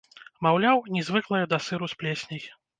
Маўляў, не звыклыя да сыру з плесняй.